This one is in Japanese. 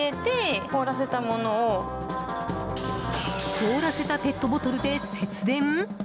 凍らせたペットボトルで節電？